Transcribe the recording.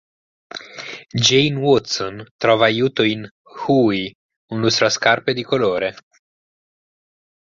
Gene Watson trova aiuto in Huey, un lustrascarpe di colore.